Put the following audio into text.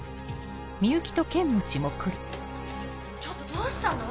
ちょっとどうしたの？